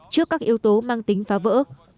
trước các yếu tố mang tính phá vỡ